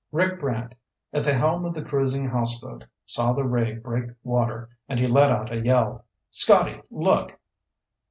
Rick Brant, at the helm of the cruising houseboat, saw the ray break water and he let out a yell. "Scotty! Look!"